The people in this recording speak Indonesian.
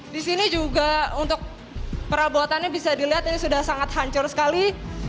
di sini juga untuk perabotannya bisa dilihat ini sudah sangat hancur sekali